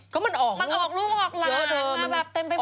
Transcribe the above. ก็มันออกรูปออกหลานเต็มไปพอ